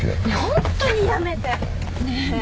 ホントにやめて！